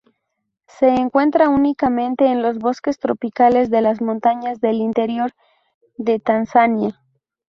Se encuentra únicamente en los bosques tropicales de las montañas del interior de Tanzania.